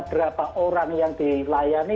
berapa orang yang dilayani